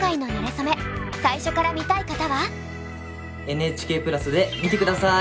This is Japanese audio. ＮＨＫプラスで見て下さい！